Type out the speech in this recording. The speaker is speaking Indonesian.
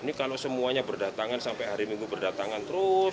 ini kalau semuanya berdatangan sampai hari minggu berdatangan terus